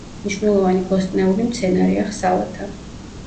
მნიშვნელოვანი ბოსტნეული მცენარეა სალათა.